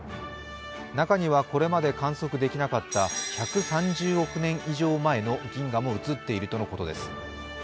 中には、これまで観測できなかった１３０億年以上前の銀河も写っているとのことです。